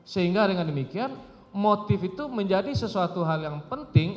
sehingga dengan demikian motif itu menjadi sesuatu hal yang penting